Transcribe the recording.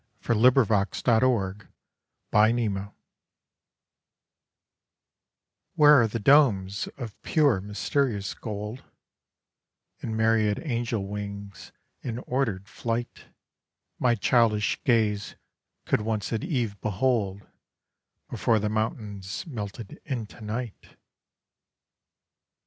XXIX A MAN TO CHILDISH THINGS WHERE are the domes of pure mysterious gold, And myriad angel wings in ordered flight My childish gaze could once at eve behold Before the mountains melted into night?